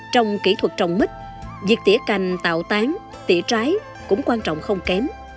trong kỹ thuật trồng mít việc tỉa cành tạo tán tỉa trái cũng quan trọng không kém